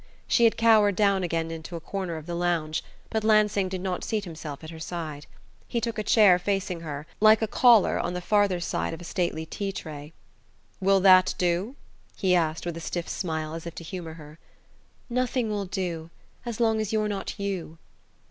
She had cowered down again into a corner of the lounge; but Lansing did not seat himself at her side. He took a chair facing her, like a caller on the farther side of a stately tea tray. "Will that do?" he asked with a stiff smile, as if to humour her. "Nothing will do as long as you're not you!"